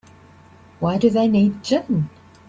Why do they need gin?